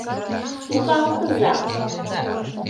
Сукалтыза!